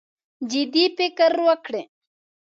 جدي فکر وکړي.